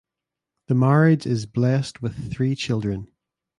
The marriage is blessed with three children.